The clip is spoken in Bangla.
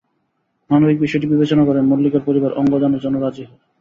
মানবিক বিষয়টি বিবেচনা করে মল্লিকার পরিবার অঙ্গ দানের জন্য রাজি হয়।